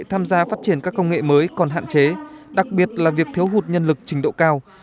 tham gia phát triển các công nghệ mới còn hạn chế đặc biệt là việc thiếu hụt nhân lực trình độ cao